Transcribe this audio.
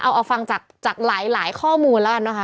เอาออกฟังจากหลายหลายข้อมูลแล้ว